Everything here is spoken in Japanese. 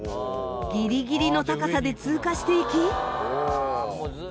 ギリギリの高さで通過していき。